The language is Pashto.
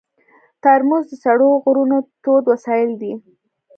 ترموز د سړو غرونو تود وسایل دي.